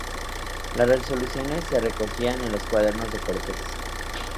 Las resoluciones se recogían en los "Cuadernos de Cortes".